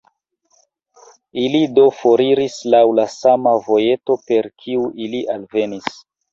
Ili do foriris laŭ la sama vojeto, per kiu ili alvenis.